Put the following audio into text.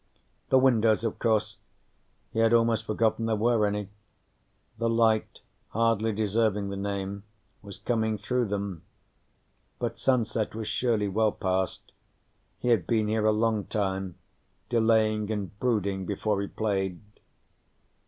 The windows, of course. He had almost forgotten there were any. The light, hardly deserving the name, was coming through them. But sunset was surely well past; he had been here a long time, delaying and brooding before he played.